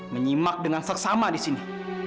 menyimak dengan seksama disini